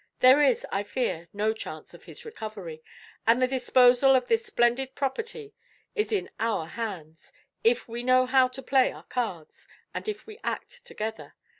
There is, I fear, no chance of his recovery, and the disposal of this splendid property is in our hands, if we know how to play our cards, and if we act together.